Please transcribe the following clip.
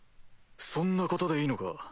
そんなことでいいのか？